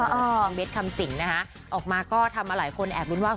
เบสคำสิงนะคะออกมาก็ทำมาหลายคนแอบลุ้นว่า